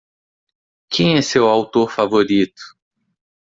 Quem é seu autor favorito?